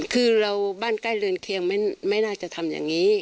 คือเราบ้านใกล้เรือนเคียงไม่น่าจะทำอย่างนี้